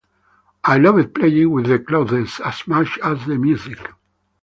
I loved playing with the clothes as much as the music.